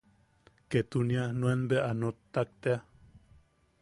Ketunia nuen bea a noktak tea.